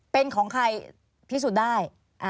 เป็นของใครพิสูจน์ได้